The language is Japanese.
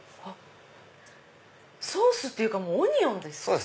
ソースっていうかオニオンです。